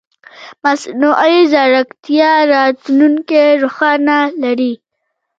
مصنوعي ځیرکتیا راتلونکې روښانه لري.